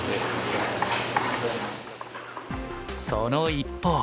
その一方。